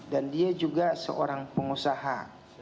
dan dia juga seorang pengusaha